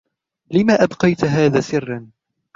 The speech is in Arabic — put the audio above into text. لمَ أبقيت هذا سرًّا؟